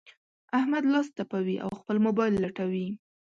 احمد لاس تپوي؛ او خپل مبايل لټوي.